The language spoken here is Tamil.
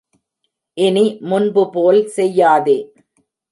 இனி முன்பு போல் செய்யாதே!